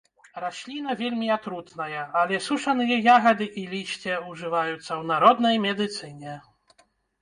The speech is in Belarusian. Расліна вельмі атрутная, але сушаныя ягады і лісце ўжываюцца ў народнай медыцыне.